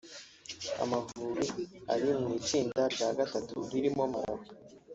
Amavubi ari mu itsinda rya gatatu ririmo Malawi